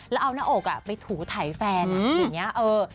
แล้วเอาหน้าอกไปถูไถแฟนอย่างนี้